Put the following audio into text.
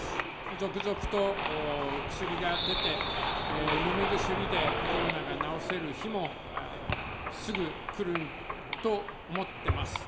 続々と薬が出て、飲み薬でコロナが治せる日もすぐ来ると思ってます。